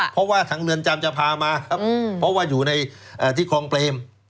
เพราะว่าทางเรือนจำจะพามาครับเพราะว่าอยู่ในที่คลองเปรม